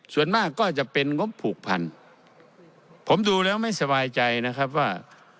ส่วนมากก็จะเป็นงบผูกพันผมดูแล้วไม่สบายใจนะครับว่า